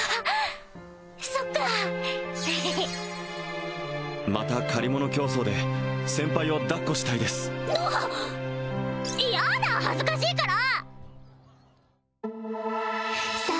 そっかエヘヘまた借り物競走で先輩をだっこしたいですやだ恥ずかしいから！